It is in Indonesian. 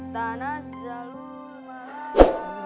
tanah salu mahal